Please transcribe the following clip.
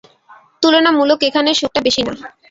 তূলনামূলক, এখানে সুখ টা বেশী না।